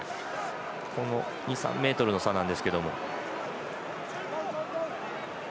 ２３ｍの差なんですけども。